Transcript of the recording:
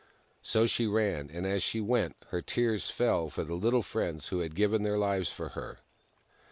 So she ran, and as she went, her tears fell for the little friends who had given their lives for her.